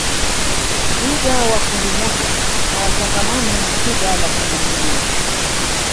twiga wa kundi moja hawachangamani na twiga wa kundi lingine